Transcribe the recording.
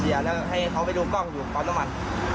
เคลียร์แล้วให้เขาไปดูกล้องอยู่ก่อนต้นมัน